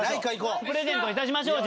プレゼントいたしましょうじゃあね。